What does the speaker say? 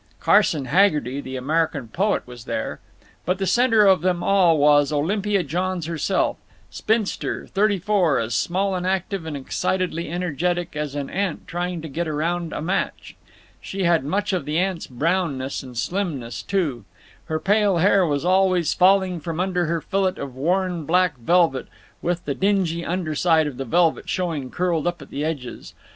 Carson Haggerty, the American poet, was there. But the center of them all was Olympia Johns herself—spinster, thirty four, as small and active and excitedly energetic as an ant trying to get around a match. She had much of the ant's brownness and slimness, too. Her pale hair was always falling from under her fillet of worn black velvet (with the dingy under side of the velvet showing curled up at the edges).